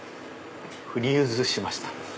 フリュズしました。